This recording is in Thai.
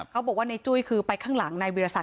เขาบอกว่าในจุ้ยคือไปข้างหลังในบริษัท